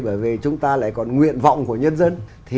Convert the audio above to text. bởi vì chúng ta lại còn nguyện vọng của nhân dân